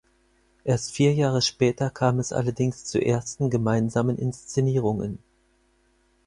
Erst vier Jahre später kam es allerdings zu ersten gemeinsamen Inszenierungen.